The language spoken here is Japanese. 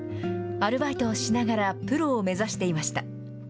アルバイトをしながらプロを目指していました。